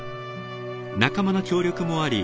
仲間の協力もあり